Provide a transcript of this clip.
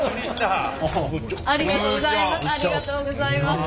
ありがとうございます。